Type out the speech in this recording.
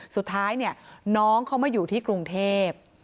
สุดท้ายน้องเขามาอยู่ที่กรุงเทพ